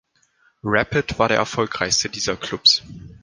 Rapid war der erfolgreichste dieser Clubs.